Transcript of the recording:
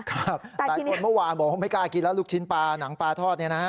หลายคนเมื่อวานบอกว่าไม่กล้ากินแล้วลูกชิ้นปลาหนังปลาทอดเนี่ยนะฮะ